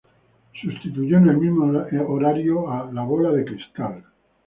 Sustituyó en el mismo horario a "La bola de cristal".